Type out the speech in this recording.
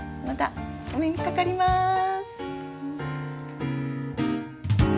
またお目にかかります。